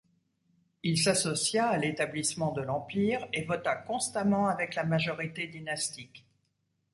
Il s'associa à l'établissement de l'Empire, et vota constamment avec la majorité dynastique.